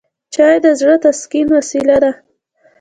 چای د زړه د تسکین وسیله ده